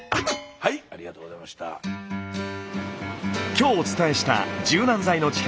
今日お伝えした柔軟剤の力